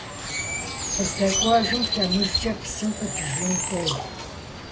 КъыздэкӀуэжым лъэмыжкӀэ псым къикӀыжын хуейт.